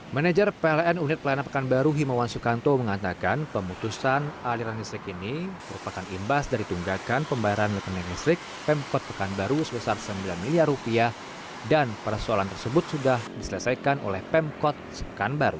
manajer pln unit pelayanan pekanbaru himawan sukanto mengatakan pemutusan aliran listrik ini merupakan imbas dari tunggakan pembayaran rekening listrik pemkot pekanbaru sebesar sembilan miliar rupiah dan persoalan tersebut sudah diselesaikan oleh pemkot sepekanbaru